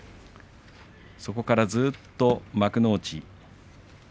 そこからずっと幕内。